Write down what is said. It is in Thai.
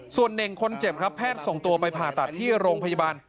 ส่วนเน่งคนเจ็บครับแพทย์ส่งตัวไปผ่าตัดที่โรงพยาบาล